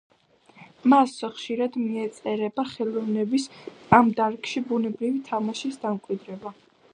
მას ხშირად მიეწერება ხელოვნების ამ დარგში ბუნებრივი თამაშის დამკვიდრება.